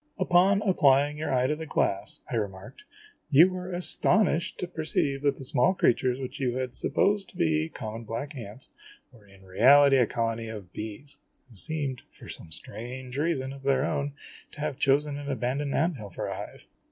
"Upon applying your eye to the glass," I remarked, "you were astonished to perceive that the small creatures which you had supposed to be common black ants were in reality a colony of bees, who seemed, for some strange reason of their own, to have chosen an abandoned ant hill for a hive